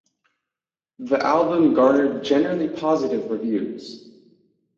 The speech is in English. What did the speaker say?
The album garnered generally positive reviews.